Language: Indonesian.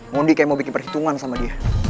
mondi kayak mau bikin perhitungan sama dia